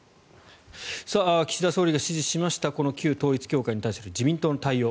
岸田総理が指示しました旧統一教会に対する自民党の対応。